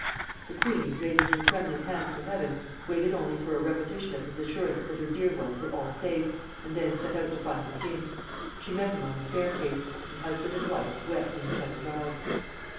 The queen, raising her trembling hands to heaven, waited only for a repetition of his assurance that her dear ones were all safe, and then set out to find the king. She met him on the staircase, and husband and wife wept in each other's arms.